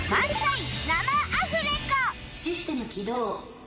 「システム起動」